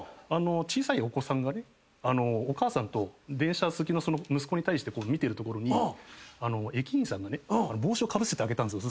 小さいお子さんがお母さんと電車好きのその息子に対して見てるところに駅員さんが帽子をかぶせてあげたんですよ。